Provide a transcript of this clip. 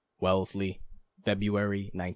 Wellesley. February, 1916.